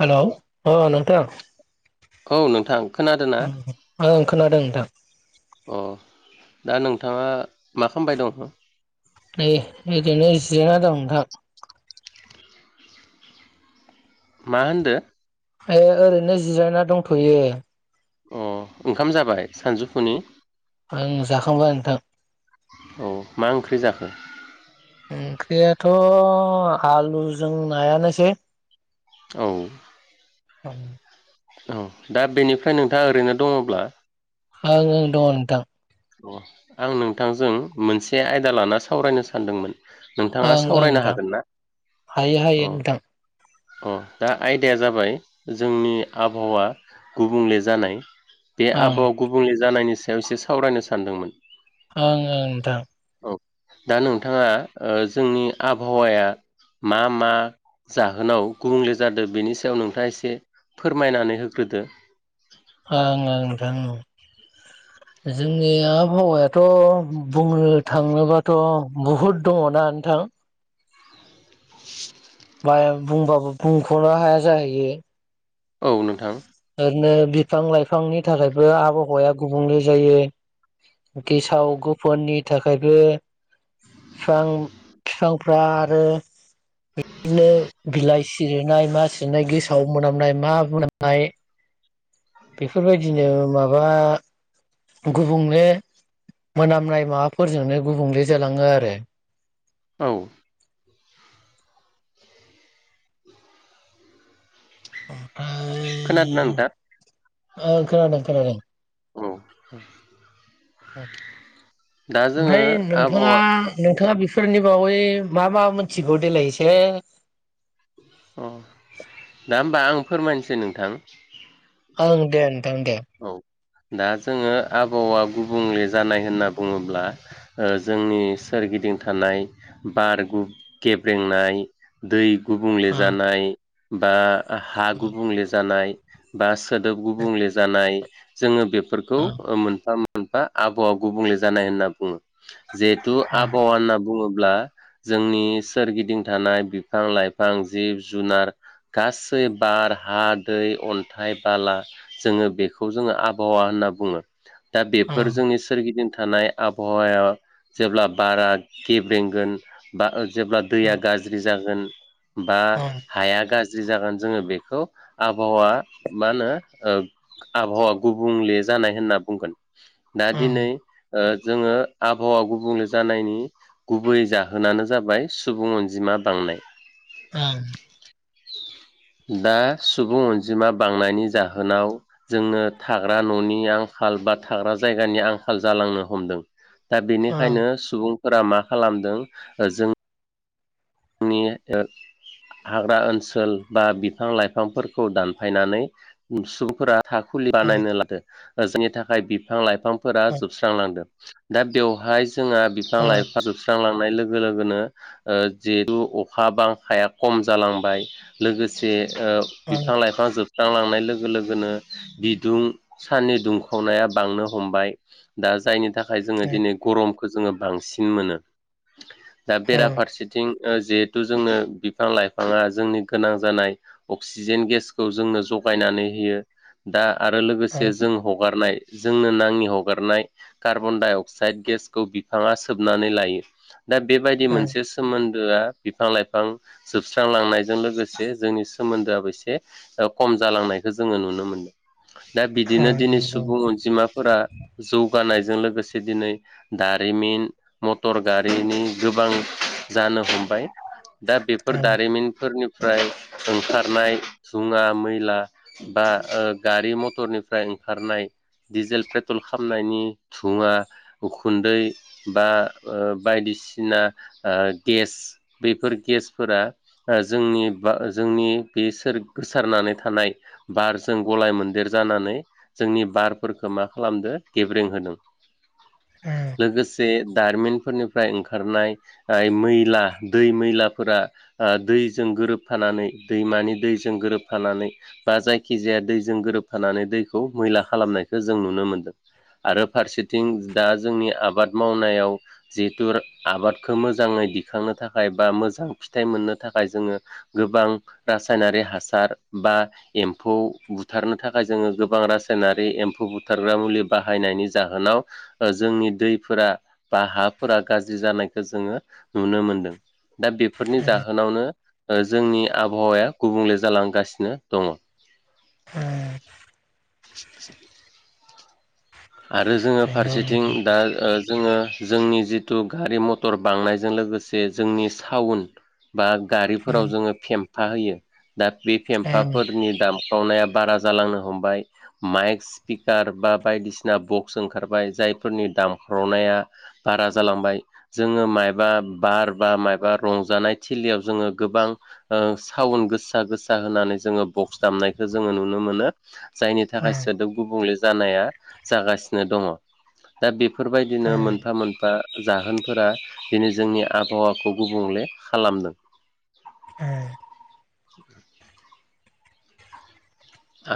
Hello ओ नोंथां औ नोंथां खोनादोंना ओं खोनादों नोंथां अ दा नोंथाङा मा खालामबाय दं? नै ओरैनो जिरायना दं नोंथां। मा होनदो? थयो अ ओंखाम जाबाय सानजौफुनि? आं जाखांबाय नोंथां। औ मा ओंख्रि जाखो? ओंख्रियाथ' आलुजों नायानोसै। औ। औ औ दा बेनिफ्राय नोंथाङा ओरैनो दङब्ला। आंङो दङ नोंथां। आं नोंथांजों मोनसे आयदा लाना सावरायनो सानदोंमोन। नोंथाङा ओं ओं सावरायनो नोंथां हागोन ना हायो हायो औ। नोंथां अ दा आयदाया जाबाय जोंनि आबहावा गुबुंले जानाय। बे ओं आबहावा गुबुंले जानायनि सायाव एसे सावरायनो सानदोंमोन। ओं ओं नोंथां। दा नोंथाङा ओ जोंनि आबहावाया मा मा? जाहोनाव गुबुंले जादों बेनि सायाव नोंथाङा एसे फोरमायनानै होग्रोदो। ओं ओं नोंथां औ। जोंनि आबहावायाथ' बुंनो थाङोबाथ' बुहुद दङना नोंथां। [inaudible] बाइ बुंबाबो बुंख'नो हाया जाहैयो। औ नोंथां। ओरैनो बिफां लाइफांनि थाखायबो आबहावाया गुबुंले जायो। गेसाव गोफननि थाखायबो। बिफां फिफांफ्रा आरो बिदिनो बिलाइ सिरिनाय मा सिरिनाय गेसाव मोनामनाय मा मोनामनाय। बेफोरबायदिनो माबा गुबुंले मोनामनाय माबाफोरजोंनो गुबुंले जालाङो आरो। औ [inaudible] खोनादों ना नोंथां। औ खोनादों खोनादों। औ दा जोङो ओमफ्राय नोंथाङा आबहावा नोंथाङा बिफोरनि बावै मा मा मोनथिगौ देलाय एसे होनोबा आं फोरमायनोसै नोंथां। ओं देन औ दा जोङो आबहावा गुबुंले जानाय होनना बुङोब्ला ओ जोंनि सोरगिदिं थानाय बार उम गेब्रेंनाय दै गुबुंले ओं जानाय बा हा ओं गुबुंले जानाय बा सोदोब गुबुंले जानाय जोङो बेफोरखौ ओं मोनफा मोनफा आबहावा गुबुंले जानाय होनना बुङो जिहेथु ओं आबहावा होनना बुङो ब्ला जोंनि सोरगिदिं थानाय बिफां लाइफां जिब जुनार गासै बार हा दै अन्थाइ बाला। जोङो बेखौ जोङो आबहावा होनना बुङो दा बेफोर ओं। जोंनि सोरगिदिं थानाय आबहावाया जेब्ला बारा गेब्रेंगोन बा जेब्ला दैया नंगौ गाज्रि जागोन बा नोंथां हाया गा ज्रि जागोन जोङो बेखौ आबहावा मा होनो ओ आबहावा गुबुंले जानाय होनना बुंगोन दा दिनै नंगौ ओ जोङो आबहावा गुबुंले जानायनि गुबै जाहोनानो जाबाय सुबुं अनजिमा बां नाय। ओं दा सुबुं अनजिमा बांनायनि जाहोनाव जोंनो थाग्रा न'नि आं खाल बा थाग्रा जायगानि आंखाल जालांनो हमदों। दा बेनिखायनो सुबुंफोरा मा खालामदों जों नि ए हाग्रा ओनसोल बा बिफां लाइफांफोरखौ दानफायनानै उम सुबुंफोरा थाखुलि बानायनो लादो। जेनि थाखाय बिफां लाइफांफोरा जोबस्रांलांदों। दा बेवहाय जोंहा बिफां लाइफां जोबस्रांलांनाय लोगो लोगोनो ओ जिहेतु अखा बांखाया खम जालांबाय लोगोसे ओ बिफां लाइफां जोब स्रां लांनाय लोगो लोगोनो बिदुं साननि दुंखावनाया बांनो हमबाय। दा जायनि थाखाय जोङो दिनै गरमखौ जोङो बांसिन मोनो। दा बेराफारसे थिं ओ जिहेथु जोंनो बिफां लाइफाङा जोंनि गोनां जानाय अक्सिजेन गेसखौ जोंनो जगायनानै होयो दा आरो लोगोसे जों हगारनाय जोंनो नाङि हगारनाय कार्बनडाइ अक्साइड गेसखौ बिफाङा सोबनानै लायो। दा बेबायदि मोनसे सोमोन्दोआ बिफां लाइफां जोबस्रांलांनायजों लोगोसे जोंनि सोमोन्दोआबो एसे ओ खम जालांनायखौ जोङो नुनो मोनदों। दा बिदिनो दिनै सुबुं अनजिमाफोरा जौगानाय जों लोगोसे दिनै दारिमिन, मटर गारिनि गोबां जानो हमबाय दा बेफोर दारिमिनफोरनि फ्राय ओंखारनाय जुङा मैला बा ओ गारि मटरनिफ्राय ओंखारनाय दिडिजेल पेट्रल खामनायनि दुङि उखुन्दै बा ओ बायदि सिना ओ गेस बेफोर गेसफोरा ओ जोंनि बा जोंनि बेसोर गोसारना नै थानाय बारजों गलाय मोनदेर जानानै जोंनि बारफोरखौ मा खालामदो गेब्रें होदों। लोगोसे दारिमिनफोरनिफ्राय ओंखारनाय ओ मैला दै मैलाफोरा ओ दैजों गोरोबफानानै दैमानि दैजों गोरोब फानानै बा जायखिजाया दैजों गोरोबफानानै दैखौ मैला खालामनायखौ जों नुनो मोनदों। आरो फारसेथिं दा जोंनि आबाद मावनायाव जिहेथु आबादखौ मो जाङै दिखांनो थाखाय बा मोजां फिथाइ मोननो थाखाय जोङो गोबां रासायनारि हासार बा एम्फौ बुथारनो थाखाय जोङो गोबां रासायनारि एम्फौ बुथारग्रा मुलि बा बाहाययनायनि जाहोनाव ओ जोंनि दैफोरा बा हाफोरा गाज्रि जानायखौ जोङो नुनो मोनदों। दा बेफोरनि जाहोनावनो ओ जोंनि आबहावाया गुबुंले जालांगासिनो दङ। उम। [inaudible] आरो जोंङो फारसेथिं दा ओ जोंङो जोंनि जिथु गारि मथर बांनायजों लोगोसे जोंनि साउन बा गारिफोराव जोंङो फेमफा होयो दा बे फेमफाफोरनि दाम ख्रावनाया बारा जालांनो हमबाय माइक स्पिकार बा बायदिसि ना बक्स ओंखारबाय जायफोरनि दामख्रावनाया बारा जालांबाय जोंङो मायबा बार बा मायबा रंजानाय थिलियाव जोंङो गोबां ओ सावन गोसा गोसा होनानै जोंङो बक्स दामनायखौ जोंङो नुनो मोनो। जायनि थाखाय सोदोब गुबुंले जानाया जागासिनो दंङ दा बे फोरबायदिनो मोनफा मोनफा जाहोनफोरा दिनै जोंनि आबहावाखौ गुबुंले खालामदों। उम। [inaudible]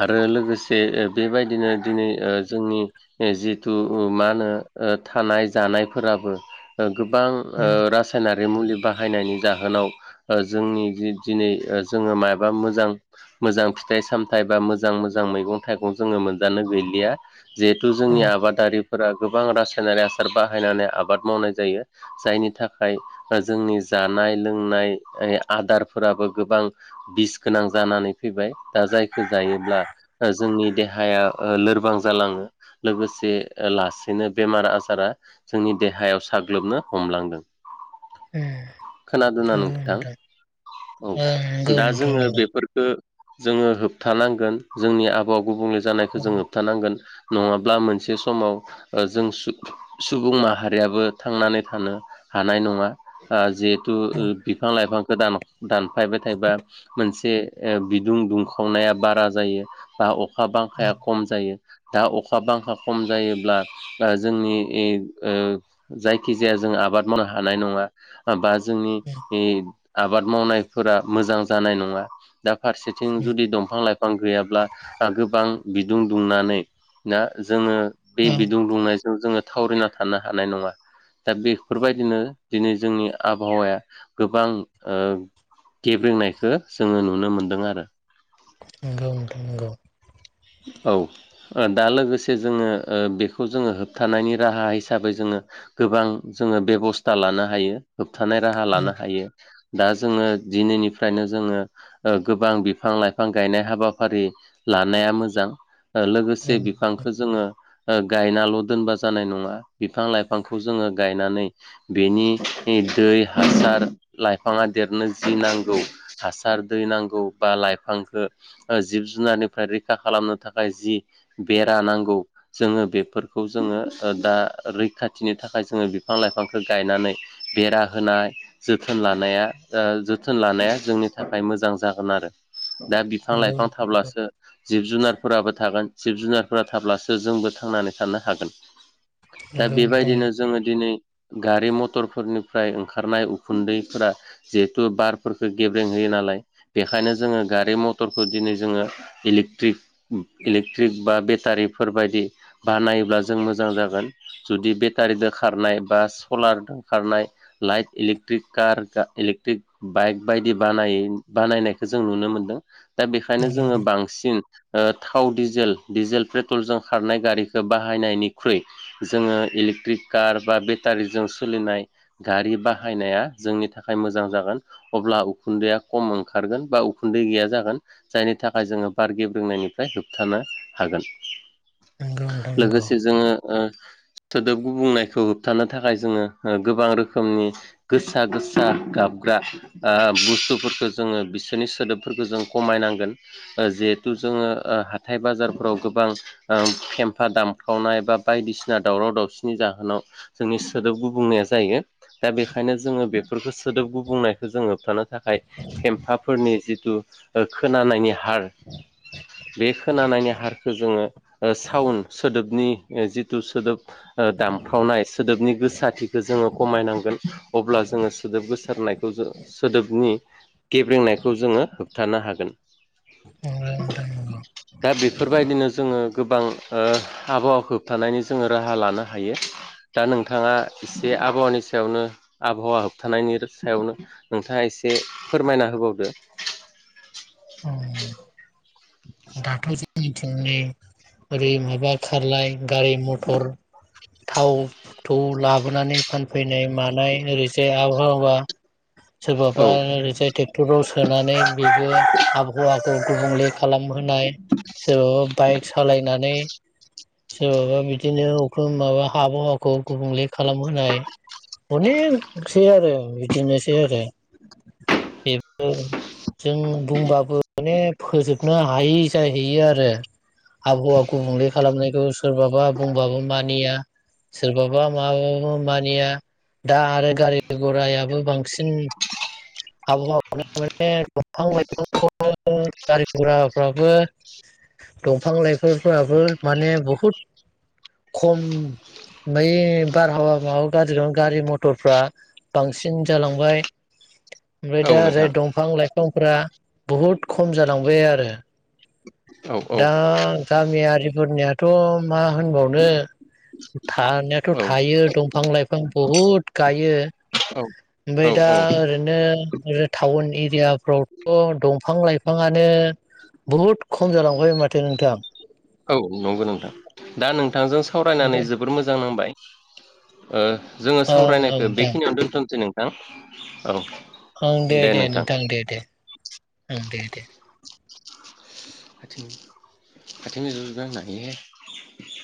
आरो लोगोसे बेबायदिनो दिनै ओ जोंनि जिथु मा होनो ओ थानाय जानायफोराबो ओ गोबां रासायनारि मुलि बाहायनायनि जा होनाव ओ जोंनि दिनै ओ जोंङो मायबा मोजां मोजां फिथाइ साम थायबा मोजां मोजां मैगं थाइगं जोंङो मोनजानो गैलिया जिहेथु जोंनि आबादारिफोरा गोबां गोबां रासायनारि आसार बाहायनानै आबाद मावनाय जायो जायनि थाखाय जोंनि जानाय लोंनाय आदारफोराबो गोबां बिस गोनां जानानै फैबाय दा जायखौ जायोब्ला ओ जोंनि देहाया ओ लोरबां जालांङो लोगोसे लासैनो नों बेमार आजारा जोंनि देहायाव साग्लोबनो हमलांदों [inaudible] खोनादोंना नोंथां औ दा जोंङो बेफोरफोरखो जोंङो होबथानांगोन जोंनि आबहावा गुबुंले जानायखौ जों होबथानांगोन नंङाब्ला मोनसे समाव ओ जों सुबुं माहारियाबो थांनानै थानो हानाय नङा ओ जे थु ओ बिफां लाइफांखौ दानफायबाय थायोबा मोनसे बिदुं दुंखा सावनाया बारा जायो बा अखा बांखाया खम जायो दा अखा बांखा खम जायोब्ला जोंनि ओ ओ जायखिजाया जों आबाद मावनो हानाय नंङा बा जोंनि ओ आबाद मावनायफोरा मोजां जानाय नंङा नंङा दा फारसे जुदि दंफां लाइफां गैयाब्ला ओ गोबां बिदुं दुंनानै दा जोङो बे बिदुं दुंनायजों जोंङो थावरिना थानो हानाय नङा दा बेफोर बायदिनो दिनै जोंनि आबहावाया गोबां ओ गेबेंनायखौ जोंङो नुनो मोनदों आरो नंगौ नोंथां नंगौ औ ओ दा लोगोसे जोंङो ओ बेखौ जोंङो होबथानायनि राहा हिसाबै जोंङो गोबां जोंङो बेबस्था लानो हायो होबथानाय राहा लानो नोंथां हायो दा जोंङो दिनैनिफ्रायनो जोंङो ओ गोबां बिफां लाइफां गायनाय हाबाफारि लानाया मोजां ओ लोगोसे बिफांखौ जोंङो ओ गायनाल' दोनबा जानाय नंङा बिफां लाइफांखौ जोंङो गायनानै बेनि दै हासार लाइफांङा देरनो जि नांगौ हासार दै नांगौ बा लाइफां लायहांखो ओ जिब जुनारनिफ्राय रैखा खालामनो थाखाय जि बेरा नांगौ जोंङो बेफोरखौ जोंङो दा रैखा थिनि थाखाय जोंङो बिफां लाइफांखौ गायनानै बेरा होनाय जोथोन लानाया ओ जोथोन लानाया जोंनि थाखाय मोजां जागोन आरो दा बिफां नंगौ नंगौ नोंथां नंगौ लाइफां नोंथां थाब्लासो जिब जुनारफोराबो थागोन जिब जुनारफोरा थाब्लासो जोंबो थांनानै थानो हागोन दा बे बायदिनो जोंङो दिनै गारि मटरफोरनिफ्राय ओंखारनाय उखुन्दैफोरा जिहेतु बारफोरखो गेब्रें होयो ना लाय। बेखायनो जोङो गारि मटरखो दिनै जोङो इलिक ट्रिक इलेक्ट्रिक बा बेटारिफोर बायदि बानायोब्ला जों मोजां जागोन। जु दि बेटारिदो खारनाय बा सलारदों खारनाय light electric car electric bike बायदि बानायै बानायनायखो जों नुनो मोनदों। दा बेखायनो जोङो बांसिन ओ थाव डिजेल डिजेल पेट्रलजों खारनाय गारिखो बाहायनायनिख्रुइ जोङो इलेक्ट्रिक कार बा बेटारिजों सोलिनाय गारि बाहायनाया जोंनि थाखाय मोजां जाग गोन अब्ला उखुन्दैया खम ओंखारगोन बा उखुन्दै गैया जागोन। जायनि थाखाय जोङो बार गे ब्रेंनायनिफ्राय होबथानो हागोन। नंगौ नंगौ लोगोसे जोङो ओ सोदोब गुबुंनायखौ होबथानो थाखाय जोङो ओ गोबां रोखोमनि गोसा गोसा गाब ग्रा ओ बुस्थुफोरखो जोङो बिसोरनि सोदोबफोरखो जों खमायनांगोन ओ जे थु जोङो हाथाइ बाजारफोराव गोबां फेम्फा दामखावनाय बा बायदिसिना दावराव दावसिनि जाहोनाव जोंनि सोदोब गुबुंनाया जायो। दा बेखायनो जोङो बेफोरखो सोदोब गु बुंनायखो जों होबथानो थाखाय फेम्फाफोरनि जिथु ओ खोनानायनि हार [inaudible] बे खोनानायनि हारखो जोङो ओ साउन सोदोबनि ओ जिथु सोदोब दामफ्रावनाय सोदोबनि गोसाथिखो जोङो खमायनांगोन अब्ला जोङो सोदोब गोसारनायखौ जो सोदोबनि गेब्रेंनायखौ जोङो होबथानो हागोन। नोंथां दा बेफोरबायदिनो जोङो गोबां ओ आबहावा होबथानायनि जोङो राहा लानो हायो। दा नोंथाङा एसे आबहावानि सायावनो आबहावा होबथानायनि सायावनो नोंथाङा ए से फोरमायना होबावदो। [inaudible] दाथ' जोंनिथिं नै ओरै माबा खारलाय गारि मथर थाव थौ लाबोनानै फानफैनाय मानाय ओरैजाय आबहावा औ सोरबाबा ओरैजाय टेक्टराव सोनानै बेबो आबहावा खौ गुबुंले खालामहोनाय सोरबाबा बाइक सालायनानै सोरबाबा बिदिनो [inaudible] माबा [unintelligible] गुबुंले खालामहोनाय, अनेखसै आरो बिदिनोसै आरो। बेबो जों बुंबाबो माने फोजोबनो हायि जाहैयो आरो आबहावा गुबुंले खालामनायखौ सोरबाबा बुंबाबो मानिया। सोरबाबा [unintelligible] मानिया। दा आरो गारि गरायाबो बांसिन आब [unintelligible] दंफां लाइफांखौ गारि गराफ्राबो दंफां लाइफोरफोराबो माने बहुद खम। ओमबाय बारहावा माबा गाज्रि गारि मथरफ्रा बांसिन जालांबाय। ओमफाय औ दा ओरै नोंथां दंफां लाइफांफोरा बहुद खम जालांबाय आरो। औ औ दा गामियारिफोरनियाथ' मा होनबावनो थानायाथ' थायो दंफां लाइफां बहुद गायो। औ औ ओमफ्राय दा औ ओरैनो आरो टाउन एरियाफ्रावथ' दंफां लाइफाङानो बहुद ख खम जालांबाय माथो नोंथां। औ नंगौ नोंथां दा नोंथांजों सावरायनानै दे जोबोर मोजां नांबाय‌। ओ जोङो ओं ओं सावरायनायखो नोंथां बेखिनियावनो दोन्थ'नोसै नोंथां औ। ओं दे दे नोंथां दे दे ओं दे दे। [inaudible] [unintelligible]